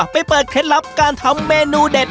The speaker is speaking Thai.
เปิดเคล็ดลับการทำเมนูเด็ด